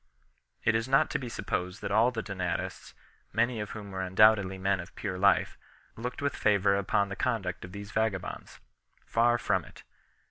It is not to be supposed that all the Donatists, many of whom were undoubtedly men of pure life, looked with favour upon the conduct of these vagabonds. Far from it.